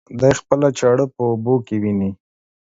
دى خپله چاړه په اوبو کې ويني.